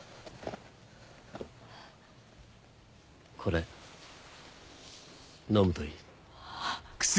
これ飲むといい。